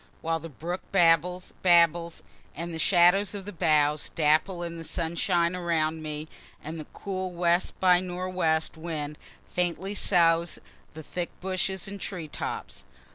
While the brook babbles, babbles, and the shadows of the boughs dapple in the sunshine around me, and the cool west by nor' west wind faintly soughs in the thick bushes and tree tops.